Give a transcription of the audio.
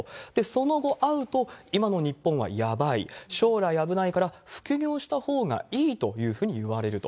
その後、会うと、今の日本はやばい、将来危ないから副業したほうがいいというふうに言われると。